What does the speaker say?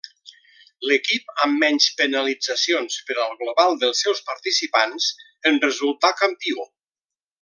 L'equip amb menys penalitzacions per al global dels seus participants en resultà campió.